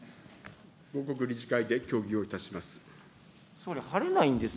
後刻、理事会で協議をいたします。